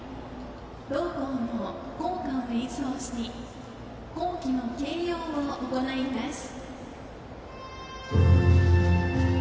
同校の校歌を演奏し校旗の掲揚を行います。